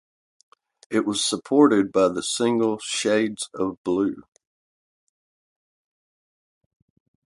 It was supported by the single "Shades of Blue".